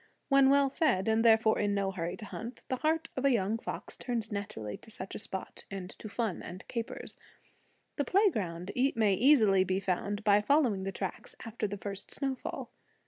When well fed, and therefore in no hurry to hunt, the heart of a young fox turns naturally to such a spot, and to fun and capers. The playground may easily be found by following the tracks after the first snowfall.